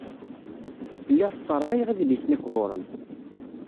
Lliɣ sserɣayeɣ idlisen iqburen.